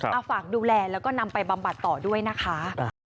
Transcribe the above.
เอาฝากดูแลแล้วก็นำไปบำบัดต่อด้วยนะคะ